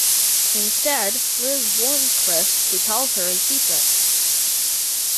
Instead, Liz warns Cris, who tells her his secret.